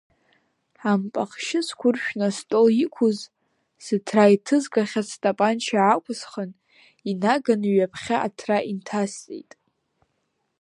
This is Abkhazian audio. Ампахьшьы зқәыршәны астол иқәыз, зыҭра иҭызгахьаз стапанча аақәсхын, инаганы ҩаԥхьа аҭра инҭасҵеит.